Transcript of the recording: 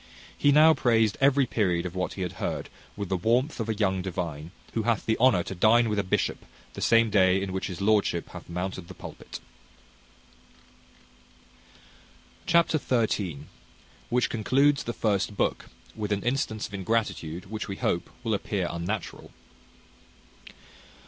He now praised every period of what he had heard with the warmth of a young divine, who hath the honour to dine with a bishop the same day in which his lordship hath mounted the pulpit. Chapter xiii. Which concludes the first book; with an instance of ingratitude, which, we hope, will appear unnatural.